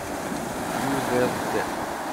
Nuder-d.